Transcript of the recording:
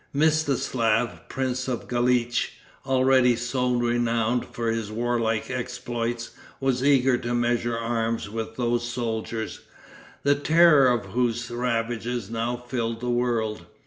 Mstislaf, prince of Galitch, already so renowned for his warlike exploits, was eager to measure arms with those soldiers, the terror of whose ravages now filled the world.